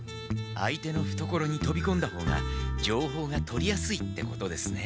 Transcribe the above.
相手のふところにとびこんだ方がじょうほうが取りやすいってことですね。